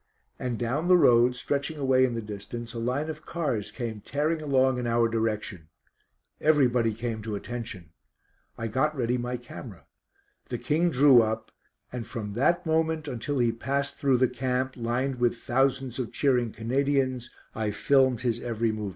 And down the road, stretching away in the distance, a line of cars came tearing along in our direction. Everybody came to attention. I got ready my camera. The King drew up, and from that moment, until he passed through the camp, lined with thousands of cheering Canadians, I filmed his every movement.